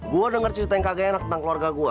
gue denger cerita yang kagak enak tentang keluarga gue